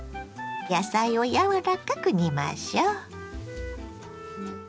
野菜をやわらかく煮ましょ。